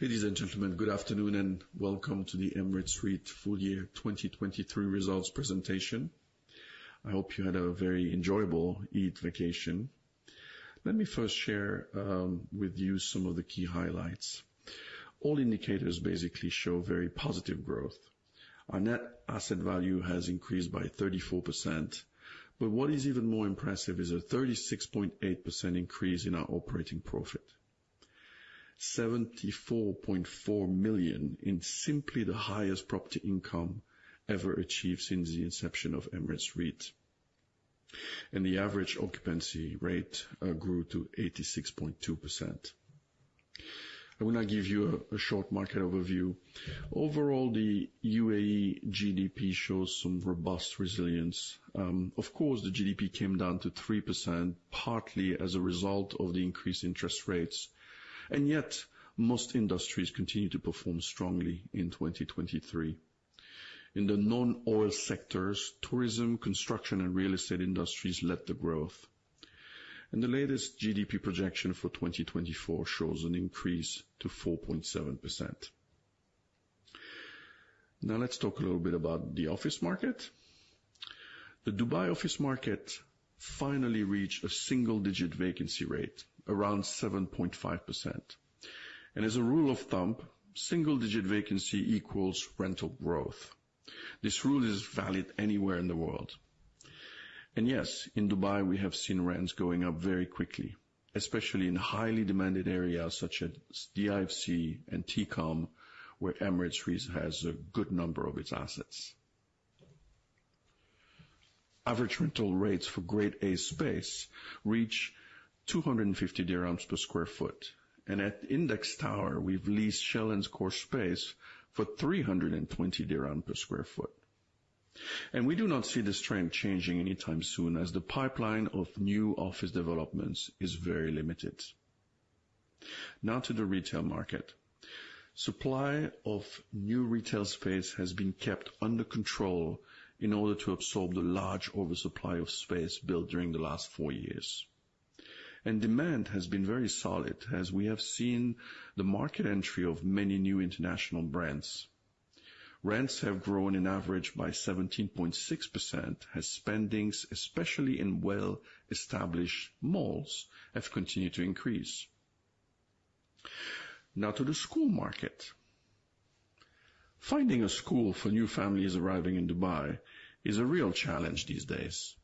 Ladies and gentlemen, good afternoon and welcome to the Emirates REIT Full Year 2023 Results Presentation. I hope you had a very enjoyable Eid vacation. Let me first share with you some of the key highlights. All indicators basically show very positive growth. Our net asset value has increased by 34%, but what is even more impressive is a 36.8% increase in our operating profit. $74.4 million, simply the highest property income ever achieved since the inception of Emirates REIT. And the average occupancy rate grew to 86.2%. I will now give you a short market overview. Overall, the UAE GDP shows some robust resilience. Of course, the GDP came down to 3%, partly as a result of the increased interest rates. And yet, most industries continue to perform strongly in 2023. In the non-oil sectors, tourism, construction, and real estate industries led the growth. The latest GDP projection for 2024 shows an increase to 4.7%. Now let's talk a little bit about the office market. The Dubai office market finally reached a single-digit vacancy rate, around 7.5%. As a rule of thumb, single-digit vacancy equals rental growth. This rule is valid anywhere in the world. Yes, in Dubai we have seen rents going up very quickly, especially in highly demanded areas such as DIFC and TECOM, where Emirates REIT has a good number of its assets. Average rental rates for Grade A space reach 250 dirhams per sq ft, and at Index Tower we've leased shell and core space for 320 dirhams per sq ft. We do not see this trend changing anytime soon, as the pipeline of new office developments is very limited. Now to the retail market. Supply of new retail space has been kept under control in order to absorb the large oversupply of space built during the last four years. Demand has been very solid, as we have seen the market entry of many new international brands. Rents have grown on average by 17.6%, as spending, especially in well-established malls, have continued to increase. Now to the school market. Finding a school for new families arriving in Dubai is a real challenge these days.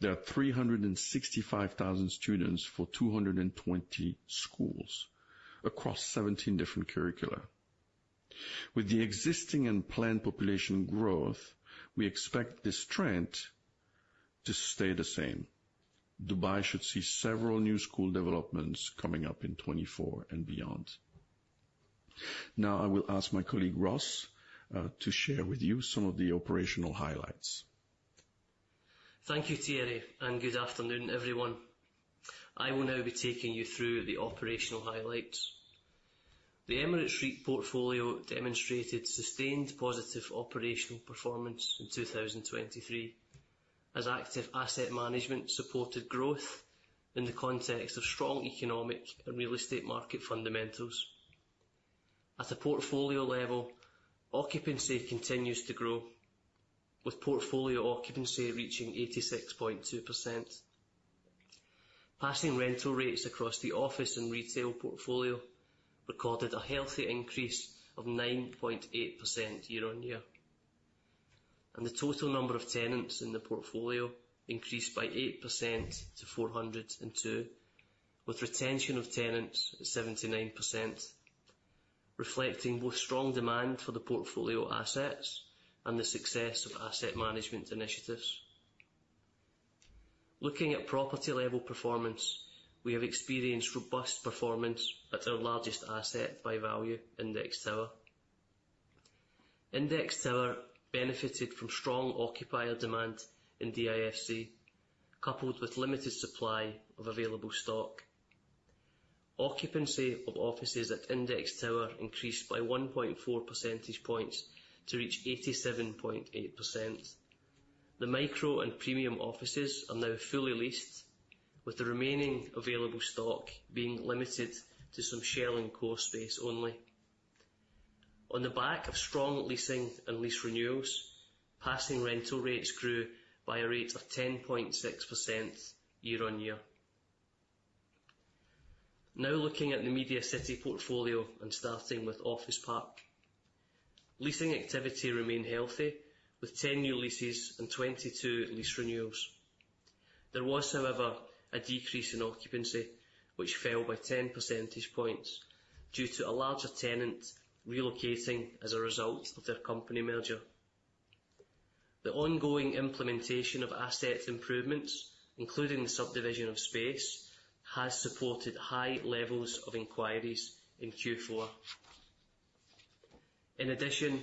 There are 365,000 students for 220 schools across 17 different curricula. With the existing and planned population growth, we expect this trend to stay the same. Dubai should see several new school developments coming up in 2024 and beyond. Now I will ask my colleague Ross to share with you some of the operational highlights. Thank you, Thierry, and good afternoon, everyone. I will now be taking you through the operational highlights. The Emirates REIT portfolio demonstrated sustained positive operational performance in 2023, as active asset management supported growth in the context of strong economic and real estate market fundamentals. At a portfolio level, occupancy continues to grow, with portfolio occupancy reaching 86.2%. Passing rental rates across the office and retail portfolio recorded a healthy increase of 9.8% year-on-year. The total number of tenants in the portfolio increased by 8% to 402, with retention of tenants at 79%, reflecting both strong demand for the portfolio assets and the success of asset management initiatives. Looking at property-level performance, we have experienced robust performance at our largest asset, by value, Index Tower. Index Tower benefited from strong occupier demand in DIFC, coupled with limited supply of available stock. Occupancy of offices at Index Tower increased by 1.4 percentage points to reach 87.8%. The micro and premium offices are now fully leased, with the remaining available stock being limited to some Shell and Core space only. On the back of strong leasing and lease renewals, passing rental rates grew by a rate of 10.6% year-on-year. Now looking at the Media City portfolio and starting with Office Park. Leasing activity remained healthy, with 10 new leases and 22 lease renewals. There was, however, a decrease in occupancy, which fell by 10 percentage points due to a larger tenant relocating as a result of their company merger. The ongoing implementation of asset improvements, including the subdivision of space, has supported high levels of inquiries in Q4. In addition,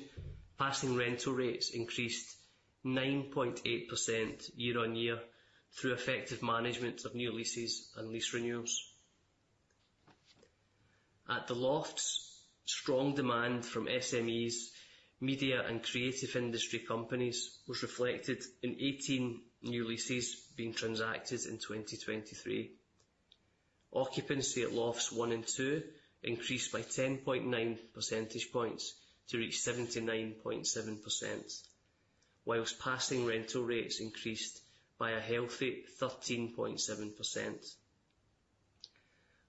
passing rental rates increased 9.8% year-on-year through effective management of new leases and lease renewals. At The Lofts, strong demand from SMEs, media, and creative industry companies was reflected in 18 new leases being transacted in 2023. Occupancy at Lofts one and two increased by 10.9 percentage points to reach 79.7%, while passing rental rates increased by a healthy 13.7%.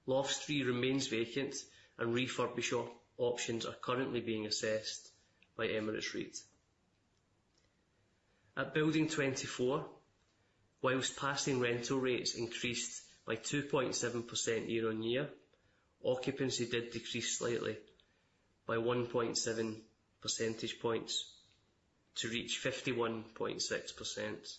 Lofts three remains vacant, and refurbish options are currently being assessed by Emirates REIT. At Building 24, while passing rental rates increased by 2.7% year-over-year, occupancy did decrease slightly by 1.7 percentage points to reach 51.6%.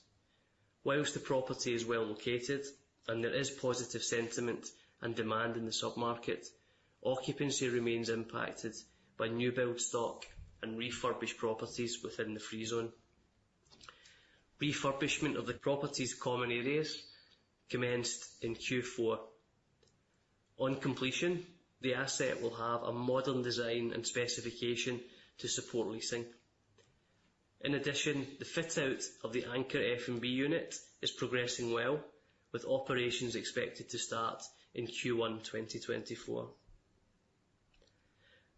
While the property is well-located and there is positive sentiment and demand in the submarket, occupancy remains impacted by new-build stock and refurbished properties within the Free Zone. Refurbishment of the property's common areas commenced in Q4. On completion, the asset will have a modern design and specification to support leasing. In addition, the fit-out of the Anchor F&B unit is progressing well, with operations expected to start in Q1 2024.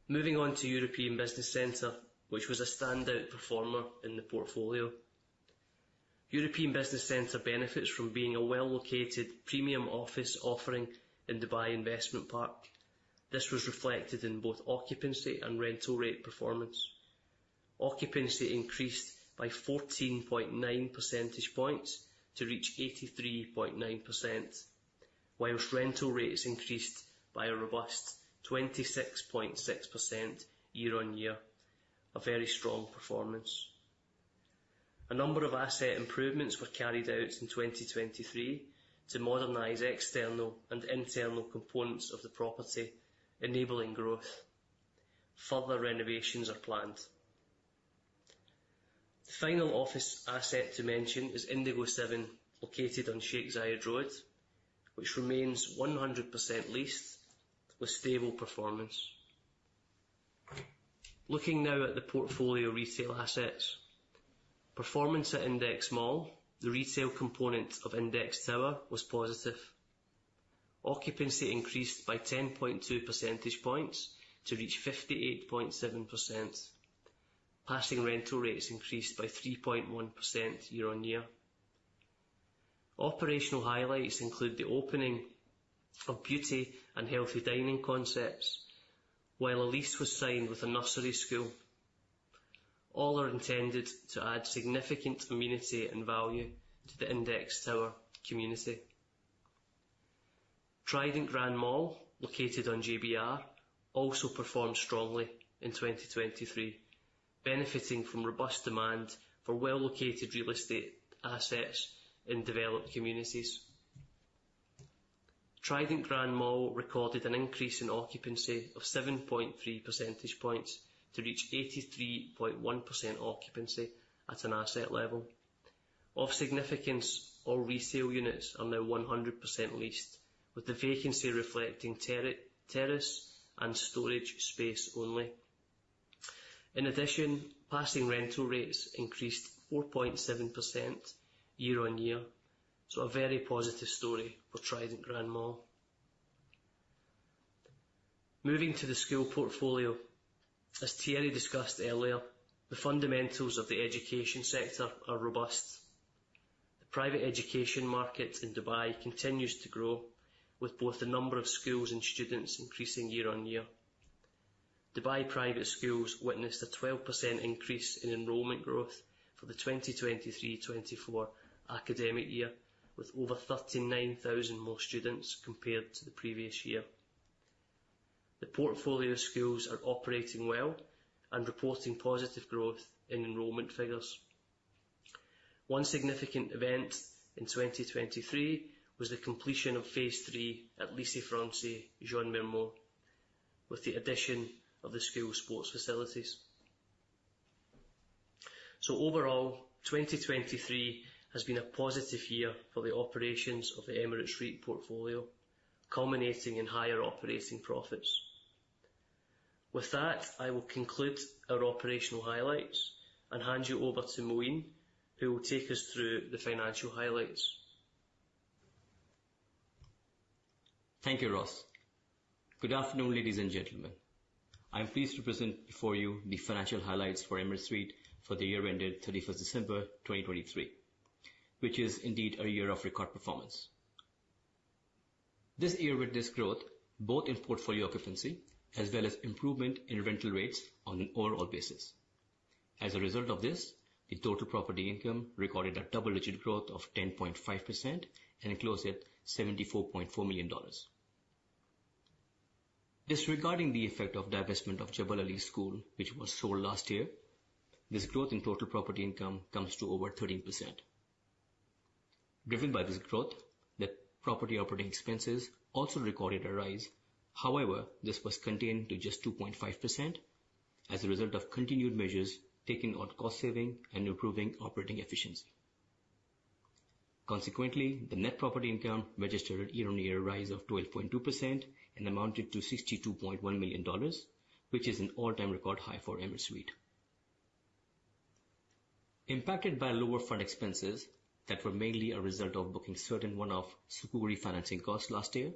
Moving on to European Business Centre, which was a standout performer in the portfolio. European Business Centre benefits from being a well-located premium office offering in Dubai Investments Park. This was reflected in both occupancy and rental rate performance. Occupancy increased by 14.9 percentage points to reach 83.9%, while rental rates increased by a robust 26.6% year on year, a very strong performance. A number of asset improvements were carried out in 2023 to modernize external and internal components of the property, enabling growth. Further renovations are planned. The final office asset to mention is Indigo 7, located on Sheikh Zayed Road, which remains 100% leased with stable performance. Looking now at the portfolio retail assets. Performance at Index Mall, the retail component of Index Tower, was positive. Occupancy increased by 10.2 percentage points to reach 58.7%. Passing rental rates increased by 3.1% year-on-year. Operational highlights include the opening of beauty and healthy dining concepts, while a lease was signed with a nursery school. All are intended to add significant amenity and value to the Index Tower community. Trident Grand Mall, located on JBR, also performed strongly in 2023, benefiting from robust demand for well-located real estate assets in developed communities. Trident Grand Mall recorded an increase in occupancy of 7.3 percentage points to reach 83.1% occupancy at an asset level. Of significance, all retail units are now 100% leased, with the vacancy reflecting terrace and storage space only. In addition, passing rental rates increased 4.7% year-on-year, so a very positive story for Trident Grand Mall. Moving to the school portfolio. As Thierry discussed earlier, the fundamentals of the education sector are robust. The private education market in Dubai continues to grow, with both the number of schools and students increasing year on year. Dubai private schools witnessed a 12% increase in enrollment growth for the 2023/24 academic year, with over 39,000 more students compared to the previous year. The portfolio of schools are operating well and reporting positive growth in enrollment figures. One significant event in 2023 was the completion of Phase 3 at Lycée Français Jean Mermoz, with the addition of the school sports facilities. So overall, 2023 has been a positive year for the operations of the Emirates REIT portfolio, culminating in higher operating profits. With that, I will conclude our operational highlights and hand you over to Moin, who will take us through the financial highlights. Thank you, Ross. Good afternoon, ladies and gentlemen. I'm pleased to present before you the financial highlights for Emirates REIT for the year ended December 31, 2023, which is indeed a year of record performance. This year witnessed this growth, both in portfolio occupancy as well as improvement in rental rates on an overall basis. As a result of this, the total property income recorded a double-digit growth of 10.5% and closed at $74.4 million. Disregarding the effect of divestment of Jebel Ali School, which was sold last year, this growth in total property income comes to over 13%. Driven by this growth, the property operating expenses also recorded a rise. However, this was contained to just 2.5% as a result of continued measures taken on cost saving and improving operating efficiency. Consequently, the net property income registered a year-on-year rise of 12.2% and amounted to $62.1 million, which is an all-time record high for Emirates REIT. Impacted by lower fund expenses that were mainly a result of booking certain one-off Sukuk financing costs last year,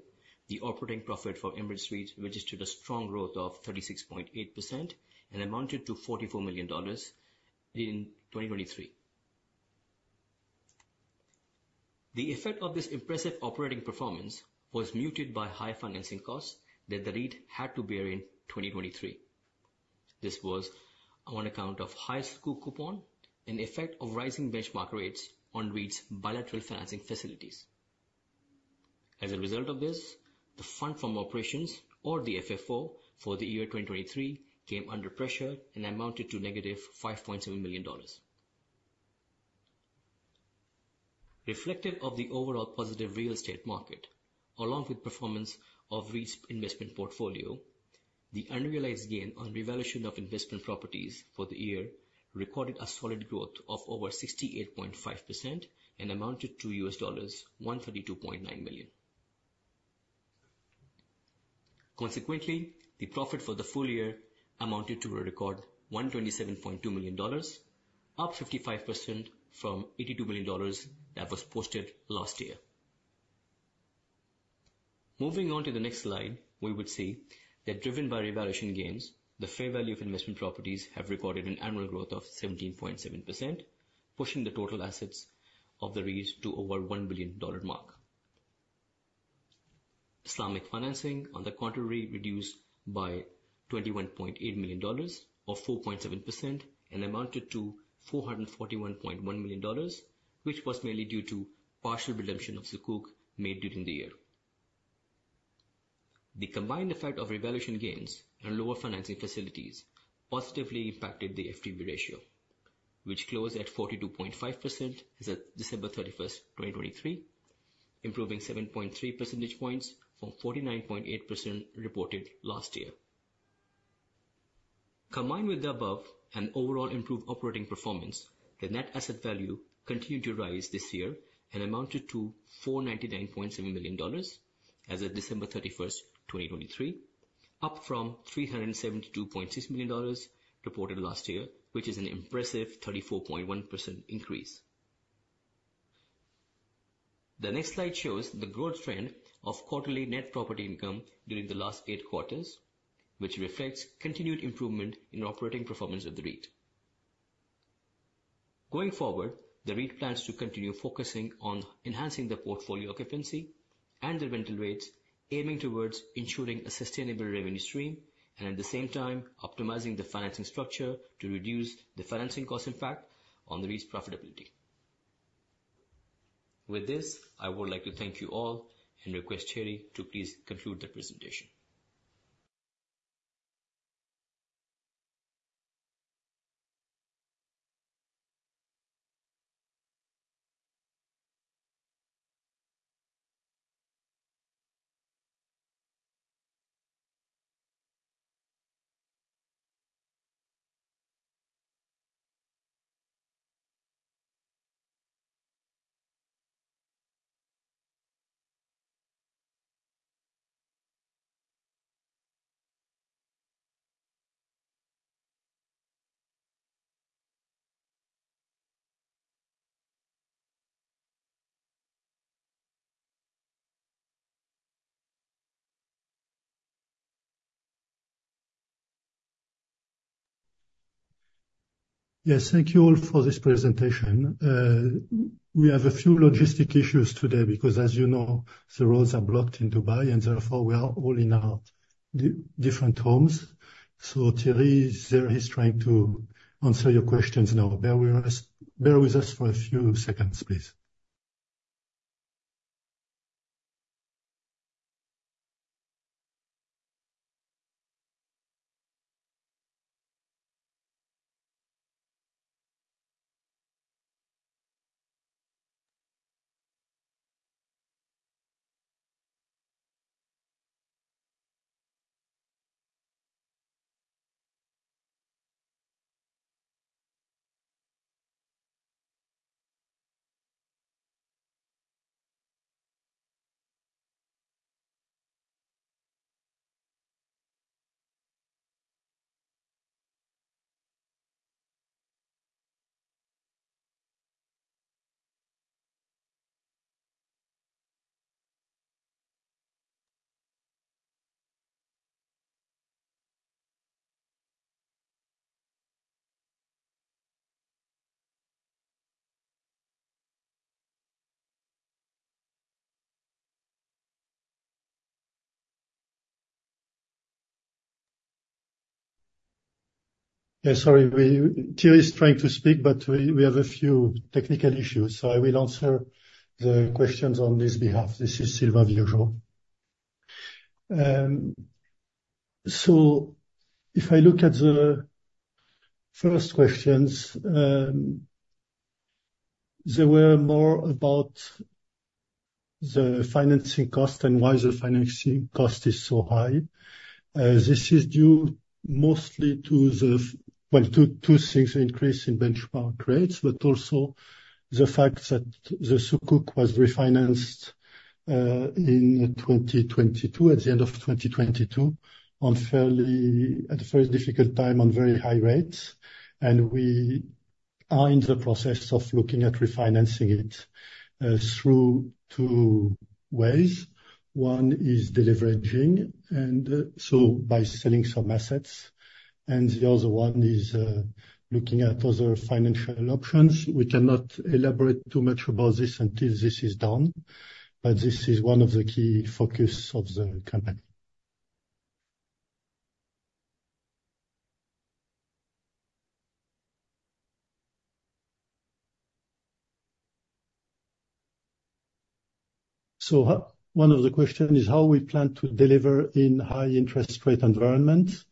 the operating profit for Emirates REIT registered a strong growth of 36.8% and amounted to $44 million in 2023. The effect of this impressive operating performance was muted by high financing costs that the REIT had to bear in 2023. This was on account of high Sukuk coupon, an effect of rising benchmark rates on REIT's bilateral financing facilities. As a result of this, the Funds From Operations, or the FFO, for the year 2023 came under pressure and amounted to -$5.7 million. Reflective of the overall positive real estate market, along with performance of REIT's investment portfolio, the unrealized gain on revaluation of investment properties for the year recorded a solid growth of over 68.5% and amounted to $132.9 million. Consequently, the profit for the full year amounted to a record $127.2 million, up 55% from $82 million that was posted last year. Moving on to the next slide, we would see that driven by revaluation gains, the fair value of investment properties have recorded an annual growth of 17.7%, pushing the total assets of the REIT to over $1 billion mark. Islamic financing, on the contrary, reduced by $21.8 million or 4.7% and amounted to $441.1 million, which was mainly due to partial redemption of sukuk made during the year. The combined effect of revaluation gains and lower financing facilities positively impacted the FTV ratio, which closed at 42.5% as of December 31st, 2023, improving 7.3 percentage points from 49.8% reported last year. Combined with the above and overall improved operating performance, the net asset value continued to rise this year and amounted to $499.7 million as of December 31st, 2023, up from $372.6 million reported last year, which is an impressive 34.1% increase. The next slide shows the growth trend of quarterly net property income during the last eight quarters, which reflects continued improvement in operating performance of the REIT. Going forward, the REIT plans to continue focusing on enhancing the portfolio occupancy and the rental rates, aiming towards ensuring a sustainable revenue stream and at the same time optimizing the financing structure to reduce the financing cost impact on the REIT's profitability. With this, I would like to thank you all and request Thierry to please conclude the presentation. Yes, thank you all for this presentation. We have a few logistic issues today because, as you know, the roads are blocked in Dubai and therefore we are all in our different homes. So Thierry, there he's trying to answer your questions now. Bear with us for a few seconds, please. Yes, sorry, Thierry's trying to speak, but we have a few technical issues, so I will answer the questions on his behalf. This is Sylvain Vieujot. So if I look at the first questions, they were more about the financing cost and why the financing cost is so high. This is due mostly to the well, two things: the increase in benchmark rates, but also the fact that the Sukuk was refinanced in 2022, at the end of 2022, on fairly at a very difficult time, on very high rates. And we are in the process of looking at refinancing it through two ways. One is deleveraging, and so by selling some assets. And the other one is looking at other financial options. We cannot elaborate too much about this until this is done, but this is one of the key focuses of the company. So one of the questions is how we plan to deliver in high interest rate environments.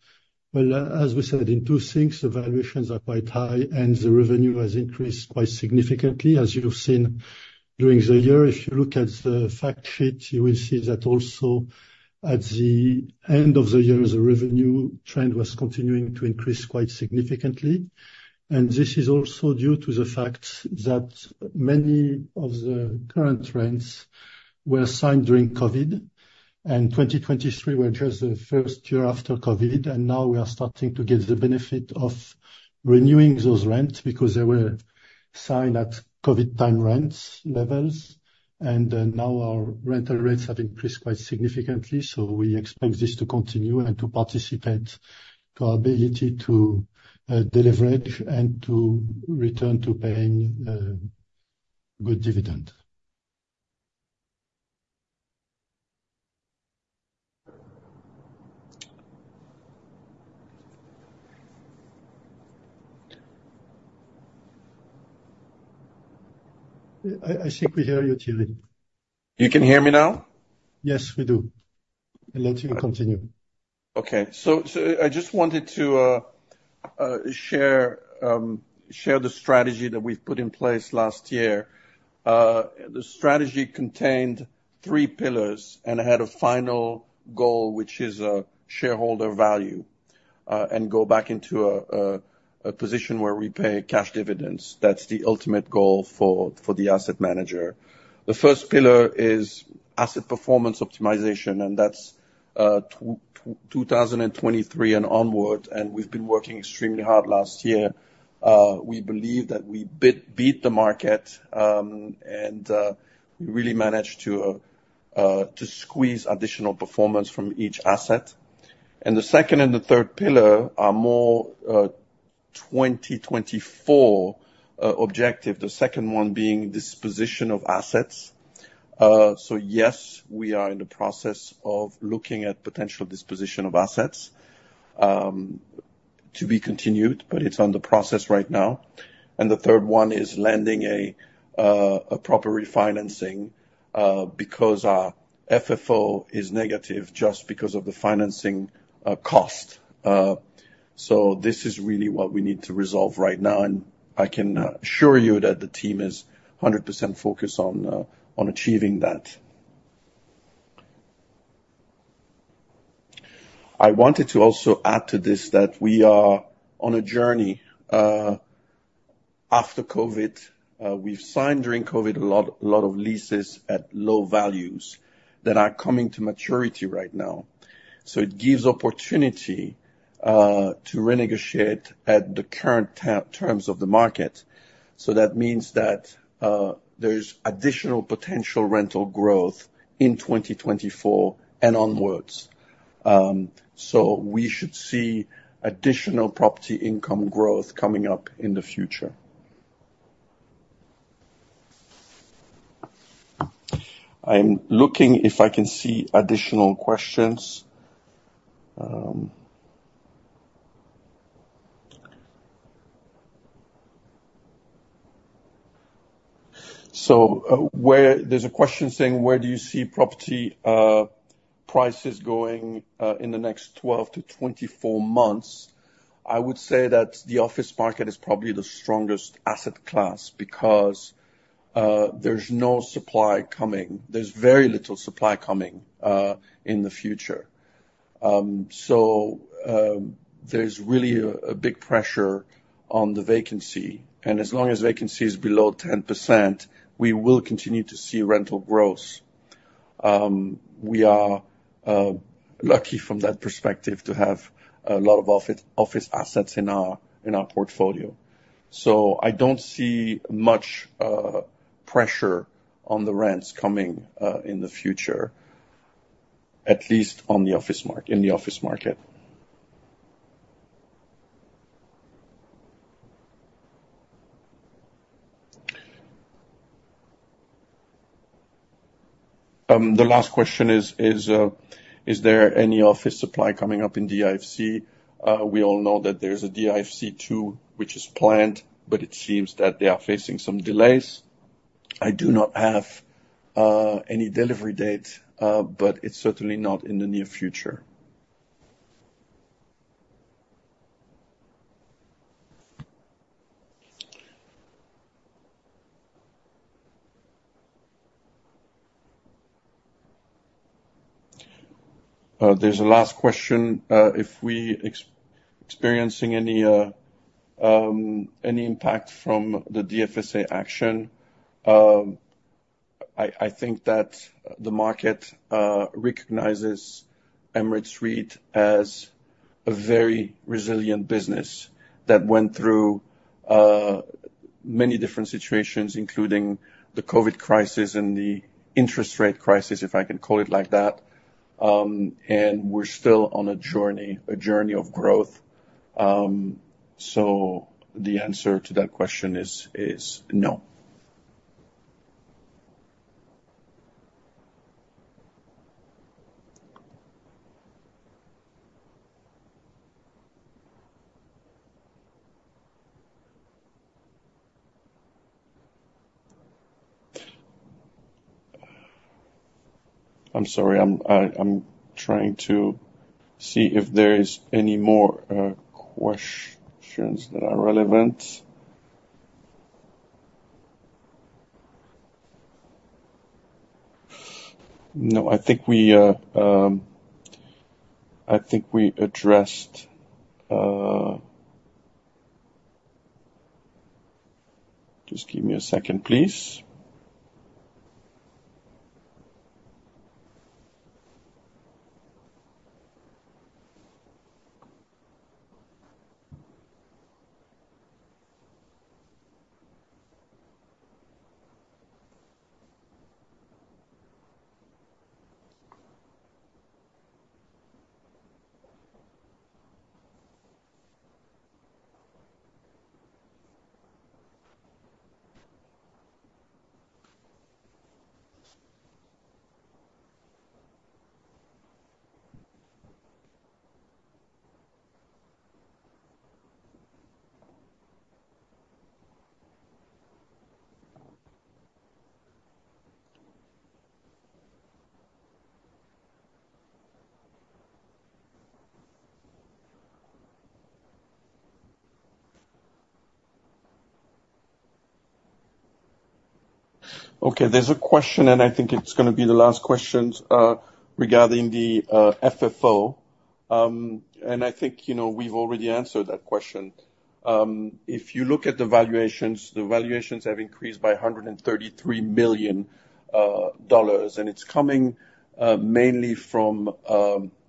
Well, as we said, in two things, the valuations are quite high and the revenue has increased quite significantly, as you've seen during the year. If you look at the fact sheet, you will see that also at the end of the year, the revenue trend was continuing to increase quite significantly. And this is also due to the fact that many of the current rents were signed during COVID, and 2023 was just the first year after COVID. And now we are starting to get the benefit of renewing those rents because they were signed at COVID-time rent levels. And now our rental rates have increased quite significantly, so we expect this to continue and to participate to our ability to deleverage and to return to paying good dividends. I think we hear you, Thierry. You can hear me now? Yes, we do. Let's continue. Okay. So I just wanted to share the strategy that we've put in place last year. The strategy contained three pillars, and it had a final goal, which is shareholder value, and go back into a position where we pay cash dividends. That's the ultimate goal for the asset manager. The first pillar is asset performance optimization, and that's 2023 and onward. We've been working extremely hard last year. We believe that we beat the market, and we really managed to squeeze additional performance from each asset. The second and the third pillar are more 2024 objectives, the second one being disposition of assets. So yes, we are in the process of looking at potential disposition of assets to be continued, but it's under process right now. The third one is landing a proper refinancing because our FFO is negative just because of the financing cost. So this is really what we need to resolve right now, and I can assure you that the team is 100% focused on achieving that. I wanted to also add to this that we are on a journey after COVID. We've signed during COVID a lot of leases at low values that are coming to maturity right now. So it gives opportunity to renegotiate at the current terms of the market. So that means that there's additional potential rental growth in 2024 and onwards. So we should see additional property income growth coming up in the future. I'm looking if I can see additional questions. So there's a question saying, "Where do you see property prices going in the next 12 to 24 months?" I would say that the office market is probably the strongest asset class because there's no supply coming. There's very little supply coming in the future. So there's really a big pressure on the vacancy. As long as vacancy is below 10%, we will continue to see rental growth. We are lucky from that perspective to have a lot of office assets in our portfolio. So I don't see much pressure on the rents coming in the future, at least in the office market. The last question is, "Is there any office supply coming up in DIFC?" We all know that there's a DIFC 2, which is planned, but it seems that they are facing some delays. I do not have any delivery date, but it's certainly not in the near future. There's a last question. If we experience any impact from the DFSA action, I think that the market recognizes Emirates REIT as a very resilient business that went through many different situations, including the COVID crisis and the interest rate crisis, if I can call it like that, and we're still on a journey, a journey of growth." So the answer to that question is no. I'm sorry. I'm trying to see if there are any more questions that are relevant. No, I think we addressed just give me a second, please. Okay, there's a question, and I think it's going to be the last questions regarding the FFO. And I think we've already answered that question. If you look at the valuations, the valuations have increased by $133 million, and it's coming mainly from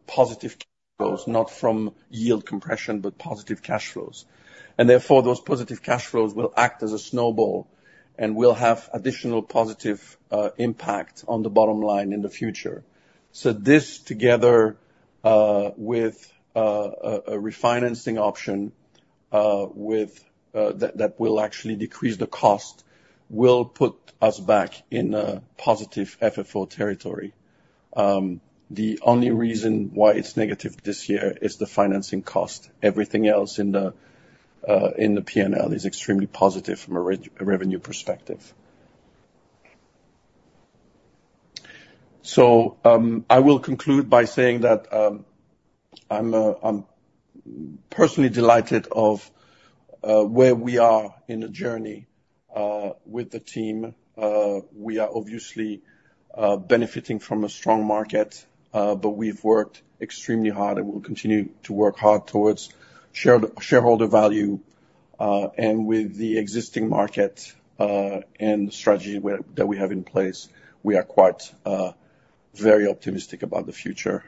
positive cash flows, not from yield compression, but positive cash flows. And therefore, those positive cash flows will act as a snowball and will have additional positive impact on the bottom line in the future. So this together with a refinancing option that will actually decrease the cost will put us back in positive FFO territory. The only reason why it's negative this year is the financing cost. Everything else in the P&L is extremely positive from a revenue perspective. So I will conclude by saying that I'm personally delighted of where we are in the journey with the team. We are obviously benefiting from a strong market, but we've worked extremely hard and will continue to work hard towards shareholder value. And with the existing market and the strategy that we have in place, we are quite very optimistic about the future.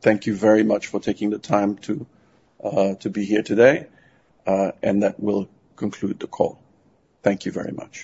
Thank you very much for taking the time to be here today, and that will conclude the call. Thank you very much.